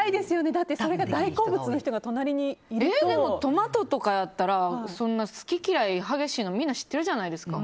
だってそれがでもトマトとかやったら好き嫌い激しいのみんな知ってるやないですか。